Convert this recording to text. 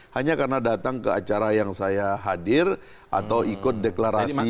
hanya karena datang ke acara yang saya hadir atau ikut deklarasi